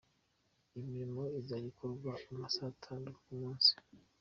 Iyo mirimo izajya ikorwa amasaha atandatu ku munsi.